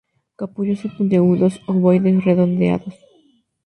Capullos puntiagudos, ovoides, redondeados.